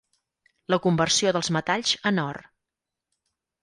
La conversió dels metalls en or.